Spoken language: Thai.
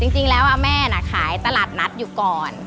จริงแล้วแม่น่ะขายตลาดนัดอยู่ก่อน